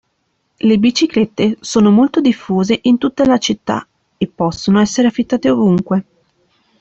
Le biciclette sono molto diffuse in tutta la città, e possono essere affittate ovunque.